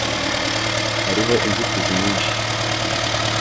Hariho inzitizi nyinshi